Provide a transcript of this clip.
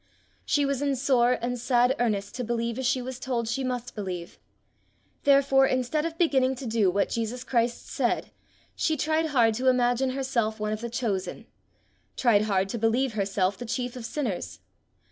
She was in sore and sad earnest to believe as she was told she must believe; therefore instead of beginning to do what Jesus Christ said, she tried hard to imagine herself one of the chosen, tried hard to believe herself the chief of sinners.